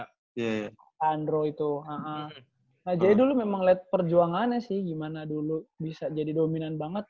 andro itu nah jadi dulu memang lihat perjuangannya sih gimana dulu bisa jadi dominan banget